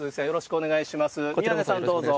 鈴木さん、よろしくお願いします。